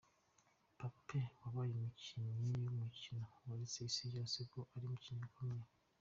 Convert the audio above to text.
Mbappe wabaye umukinnyi w’umukino yeretse isi yose ko ari umukinnyi ukomeye.